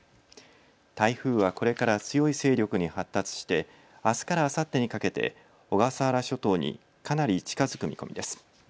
台風はこれから強い勢力に発達して、あすからあさってにかけて小笠原諸島にかなり近づく見込みです。